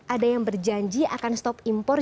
ada yang berjanji akan stop impor jika menampil pres